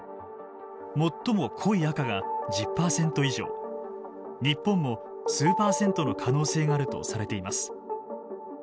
最も濃い赤が１０％以上日本も数％の可能性があるとされています。